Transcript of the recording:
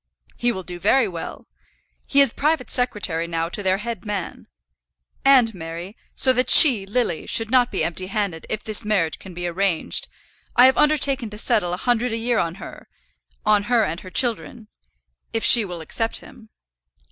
"He will do very well. He is private secretary now to their head man. And, Mary, so that she, Lily, should not be empty handed if this marriage can be arranged, I have undertaken to settle a hundred a year on her, on her and her children, if she will accept him.